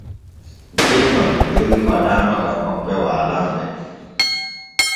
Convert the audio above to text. Jemma dewri waɗaama gam hoɓɓe waalanɓe.